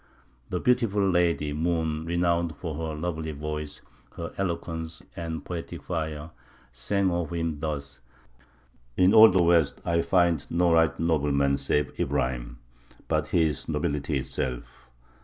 The beautiful lady "Moon," renowned for her lovely voice, her eloquence, and poetic fire, sang of him thus: "In all the west I find no right noble man save Ibrahim, but he is nobility itself.